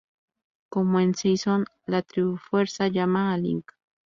Como en "Seasons", la Trifuerza llama a Link.